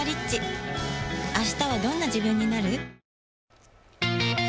明日はどんな自分になる？